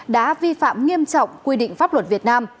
đã vi phạm nghiêm trọng quy định pháp luật việt nam